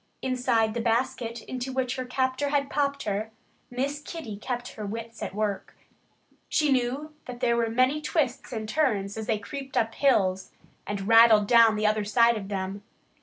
Inside the basket into which her captor had popped her, Miss Kitty kept her wits at work. She knew that there were many twists and turns as they creaked up the hills and rattled down the other side of them.